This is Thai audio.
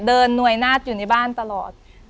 หน่วยนาฏอยู่ในบ้านตลอด